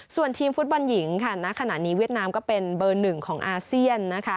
ส่วนทีมฟุตบอลหญิงค่ะณขณะนี้เวียดนามก็เป็นเบอร์หนึ่งของอาเซียนนะคะ